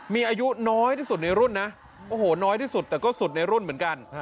มีอายุน้อยที่สุดในรุ่นนะโอ้โหน้อยที่สุดแต่ก็สุดในรุ่นเหมือนกัน